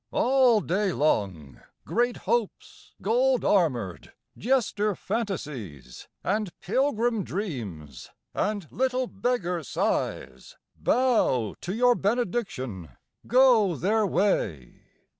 All day long Great Hopes gold armoured, jester Fantasies, And pilgrim Dreams, and little beggar Sighs, Bow to your benediction, go their way.